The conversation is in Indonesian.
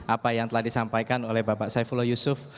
apa yang telah disampaikan oleh bapak saifullah yusuf